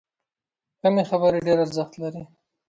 کمې خبرې، ډېر ارزښت لري.